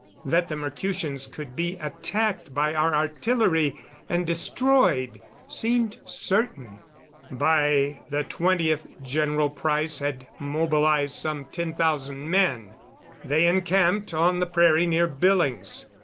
That the Mercutians could be attacked by our artillery and destroyed seemed certain. By the 20th General Price had mobilized some ten thousand men. They encamped on the prairie near Billings.